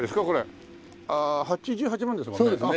あ８８万ですもんね。